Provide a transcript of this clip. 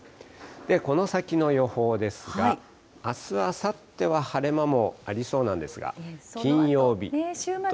この先の予報ですが、あす、あさっては晴れ間もありそうなんです週末が。